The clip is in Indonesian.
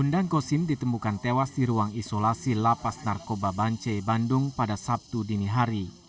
undang kosim ditemukan tewas di ruang isolasi lapas narkoba bance bandung pada sabtu dini hari